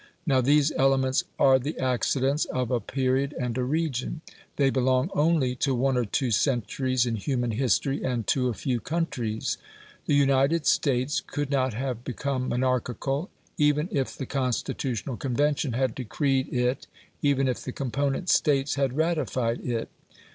Now these elements are the accidents of a period and a region; they belong only to one or two centuries in human history, and to a few countries. The United States could not have become monarchical, even if the Constitutional Convention had decreed it, even if the component States had ratified it.